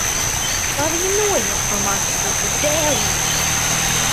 Lai viņa noiet pa mazu, sīku dēlīti!